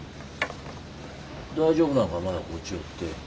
大丈夫なんかまだこっちおって。